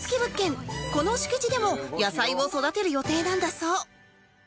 この敷地でも野菜を育てる予定なんだそう